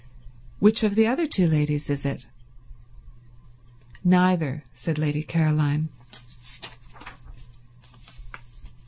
"Which of the other two ladies is it?" "Neither," said Lady Caroline.